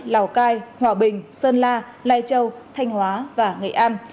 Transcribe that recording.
lào cai hòa bình sơn la lai châu thanh hóa và nghệ an